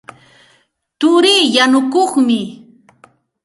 Turii yanukuqmi.